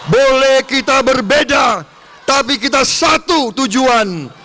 boleh kita berbeda tapi kita satu tujuan